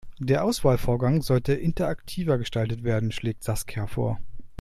Der Auswahlvorgang sollte interaktiver gestaltet werden, schlägt Saskia vor.